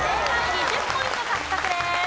２０ポイント獲得です。